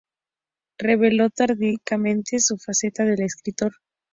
Reveló tardíamente su faceta de escritor.